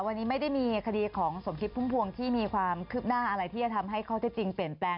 วันนี้ไม่ได้มีคดีของสมคิดพุ่มพวงที่มีความคืบหน้าอะไรที่จะทำให้ข้อเท็จจริงเปลี่ยนแปลง